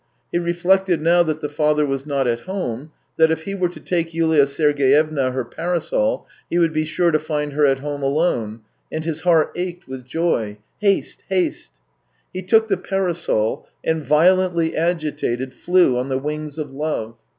He reflected now that the father was not at home, that if he were to take Yulia Sergeyevna her parasol, he would be sure to find her at home alone, and his heart ached with joy. Haste, haste ! He took the parasol and, violently agitated, flew on the wings of love.